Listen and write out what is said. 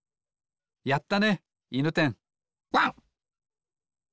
やったねいぬてんワン。